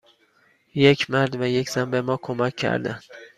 یک مرد و یک زن به ما کمک کردند.